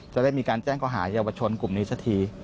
จะได้มีการแจ้งข้อหาเยาวชนกลุ่มนี้สักที